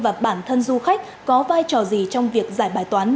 và bản thân du khách có vai trò gì trong việc giải bài toán